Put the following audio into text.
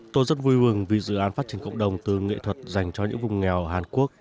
tôi rất vui mừng vì dự án phát triển cộng đồng từ nghệ thuật dành cho những vùng nghèo hàn quốc